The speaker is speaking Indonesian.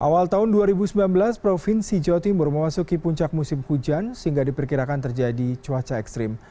awal tahun dua ribu sembilan belas provinsi jawa timur memasuki puncak musim hujan sehingga diperkirakan terjadi cuaca ekstrim